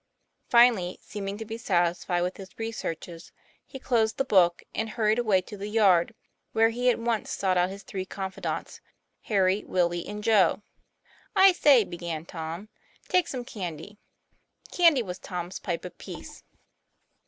Finally seeming to be satisfied with his researches, he closed the book and hurried away to the yard, where he at once sought out his three confidants, Harry, Willie, and Joe. " I say," began Tom, " take some candy." Candy was Tom's pipe of peace.